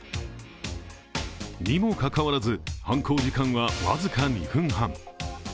にもかかわらず、犯行時間は僅か２分半。